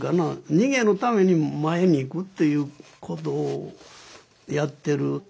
逃げのために前に行くっていうことをやってる。